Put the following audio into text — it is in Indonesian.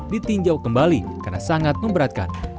ditinjau kembali karena sangat memberatkan